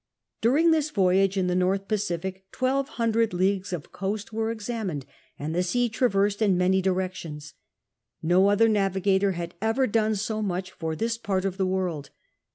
During this voyage in the North Pacific twelve hundred leagues of coast were examined, and the sea traversed in many directions. No other navigator had ever before done so much for this part of the world.